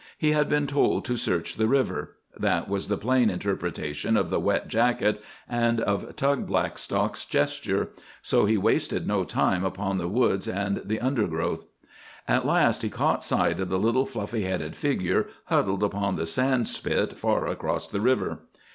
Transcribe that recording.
He had been told to search the river—that was the plain interpretation of the wet jacket and of Tug Blackstock's gesture—so he wasted no time upon the woods and the undergrowth. At last he caught sight of the little fluffy headed figure huddled upon the sand spit far across the river.